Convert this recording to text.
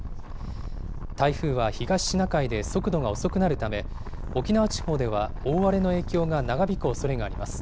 台風は東シナ海で速度が遅くなるため、沖縄地方では大荒れの影響が長引くおそれがあります。